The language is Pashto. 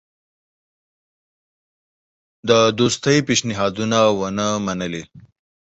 د دوستی پېشنهادونه ونه منلې.